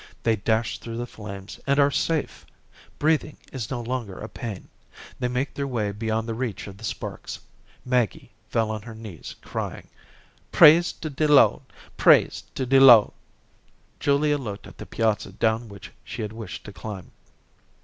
They dash through the flames, and are safe. Breathing is no longer a pain. They make their way beyond the reach of the sparks. Maggie fell on her knees crying: "Praise to de Lo'd. Praise to de Lo'd." Julia looked at the piazza down which she had wished to climb.